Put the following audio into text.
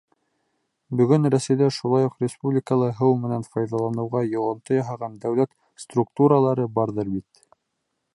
— Бөгөн Рәсәйҙә, шулай уҡ республикала һыу менән файҙаланыуға йоғонто яһаған дәүләт структуралары барҙыр бит...